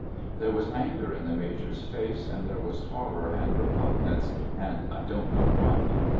There was anger in the Major's face, and there was horror and repugnance and I don't know what.